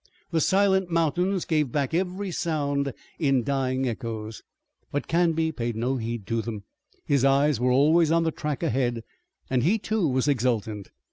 The silent mountains gave back every sound in dying echoes, but Canby paid no heed to them. His eyes were always on the track ahead, and he, too, was exultant.